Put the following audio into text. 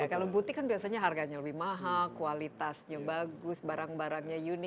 kalau butik kan biasanya harganya lebih mahal kualitasnya bagus barang barangnya unik